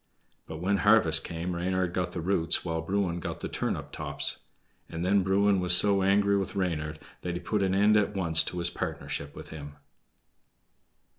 But when harvest came Reynard got the roots, while Bruin got the turnip tops. And then Bruin was so angry with Reynard that he put an end at once to his partnership with him.